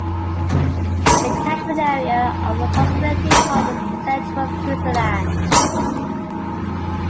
The catchment area of approximately covers Central Switzerland.